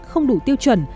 không đủ tiêu chuẩn